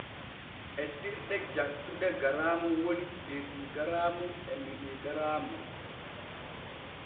Etirɗe jaccuɗe garaamu woni desigaraamu e miligaraamu.